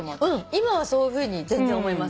今はそういうふうに思います。